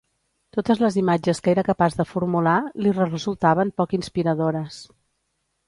Totes les imatges que era capaç de formular li resultaven poc inspiradores.